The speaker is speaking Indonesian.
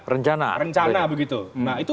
rencana rencana begitu nah itu